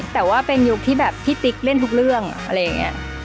แต่ว่าเป็นยุคที่แบบพี่ติ๊กเล่นทุกเรื่องอะไรอย่างนี้